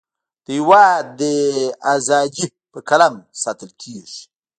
د هیواد اذادی په قلم ساتلکیږی